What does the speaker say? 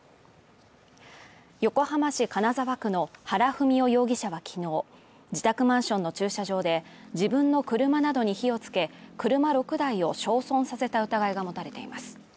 横浜市金沢区の原文雄容疑者はきのう自宅マンションの駐車場で自分の車などに火をつけ車６台を焼損させた疑いが持たれています。